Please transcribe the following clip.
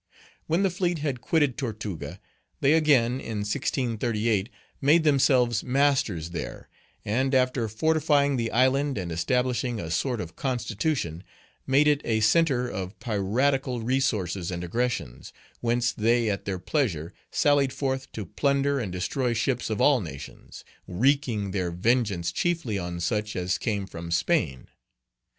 When the fleet had quitted Tortuga, they again, in 1638, made themselves masters there, and, after fortifying the island and establishing a sort of constitution, made it a centre of piratical resources and aggressions, whence they at their pleasure sallied forth to plunder and destroy ships of all nations, wreaking their vengeance chiefly on such as came from Spain.